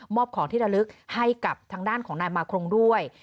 อบของที่ระลึกให้กับทางด้านของนายมาครงด้วย